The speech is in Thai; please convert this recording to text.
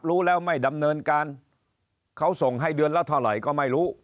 รู้แล้วไม่ดำเนินการเขาส่งให้เดือนละเท่าไหร่ก็ไม่รู้